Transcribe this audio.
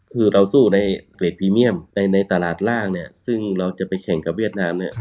คือเราสู้ในเกรดพรีเมียมในตลาดล่างเนี่ยซึ่งเราจะไปแข่งกับเวียดนามเนี่ย